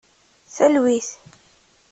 Talwit.